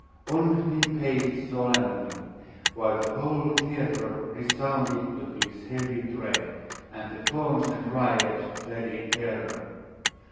On he paced solemnly, while the whole theatre resounded to his heavy tread, and the Fauns and Dryads fled in terror.